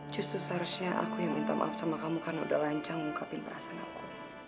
justu seharusnya aku yang minta maaf sama kamu karena udah lancang mengucapin perasaan aku